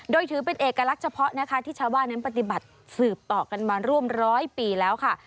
โดยถือเป็นเอกลักษณ์เฉพาะนะคะที่ชาวบ้านนั้นปฏิบัติสืบต่อกันมาร่วมร้อยปีแล้วค่ะ